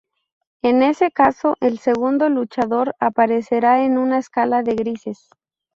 En ese caso, el segundo luchador aparecerá en una escala de grises.